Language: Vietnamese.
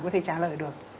có thể trả lời được